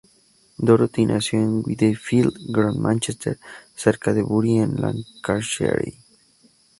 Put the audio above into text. Dorothy nació en Whitefield, Gran Mánchester, cerca de Bury en Lancashire.